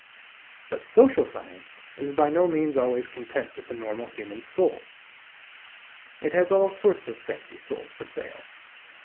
But social science is by no means always content with the normal human soul; it has all sorts of fancy souls for sale.